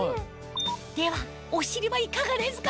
ではお尻はいかがですか？